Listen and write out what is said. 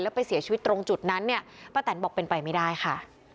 ไปเสียชีวิตตรงจุดนั้นเนี่ยป้าแตนบอกเป็นไปไม่ได้ค่ะ